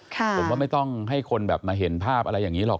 ผมว่าไม่ต้องให้คนแบบมาเห็นภาพอะไรอย่างนี้หรอก